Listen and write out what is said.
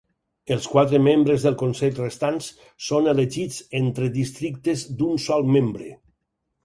Els quatre membres del consell restants són elegits entre districtes d'un sol membre.